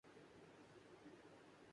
اس ملاقات میں K K پال